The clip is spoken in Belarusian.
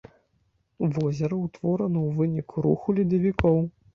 Возера ўтворана ў выніку руху ледавікоў.